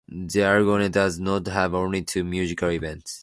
The Argonne does not have only two musical events.